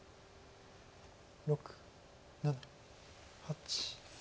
６７８。